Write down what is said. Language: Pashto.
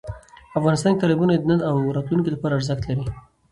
افغانستان کې تالابونه د نن او راتلونکي لپاره ارزښت لري.